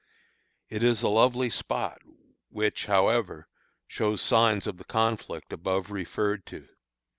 It is a lovely spot, which, however, shows signs of the conflict above referred to.